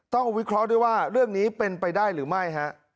วิเคราะห์ด้วยว่าเรื่องนี้เป็นไปได้หรือไม่